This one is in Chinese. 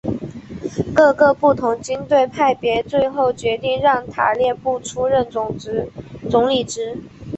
各个不同军队派别最后决定让塔列布出任总理职。